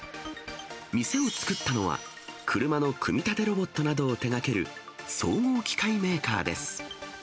店を作ったのは、車の組み立てロボットなどを手がける総合機械メーカーです。